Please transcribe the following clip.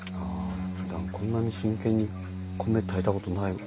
普段こんなに真剣にコメ炊いたことないわ。